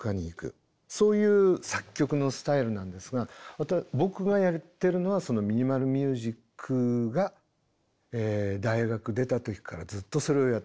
そういう作曲のスタイルなんですが僕がやってるのはそのミニマル・ミュージックが大学出た時からずっとそれをやってます。